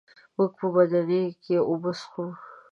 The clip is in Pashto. موږ په بدنۍ کي اوبه څښو.